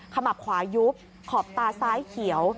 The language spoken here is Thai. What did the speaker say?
มับขวายุบขอบตาซ้ายเขียว